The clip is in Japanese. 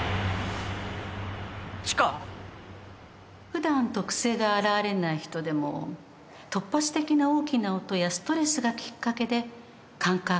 普段特性が現れない人でも突発的な大きな音やストレスがきっかけで感覚